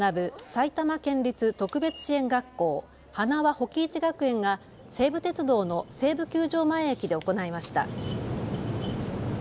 埼玉県立特別支援学校塙保己一学園が西武鉄道の西武球場前駅で行いました。